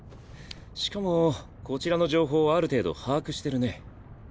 しかもこちらの情報をある程度把握してるね。